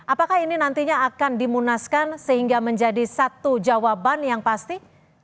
apakah ini nantinya akan dimunaskan sehingga menjadi satu jawaban yang pasti